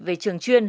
về trường truyền